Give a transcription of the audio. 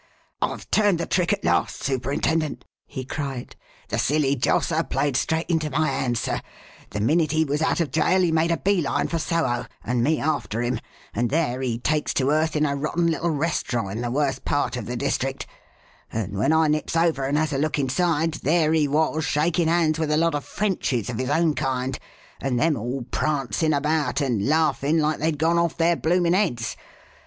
"I've turned the trick at last, Superintendent," he cried. "The silly josser played straight into my hands, sir. The minute he was out of jail he made a beeline for Soho, and me after him, and there he 'takes to earth' in a rotten little restaurant in the worst part of the district; and when I nips over and has a look inside, there he was shakin' hands with a lot of Frenchies of his own kind, and them all prancin' about and laughin' like they'd gone off their bloomin' heads.